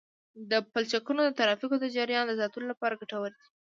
دا پلچکونه د ترافیکو د جریان د ساتلو لپاره ګټور دي